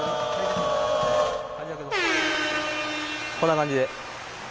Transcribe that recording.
こんな感じで？